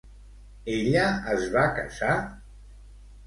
Ella es va casar?